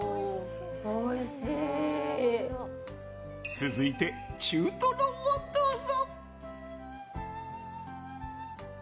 続いて中トロをどうぞ。